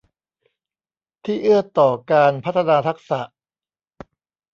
ที่เอื้อต่อการพัฒนาทักษะ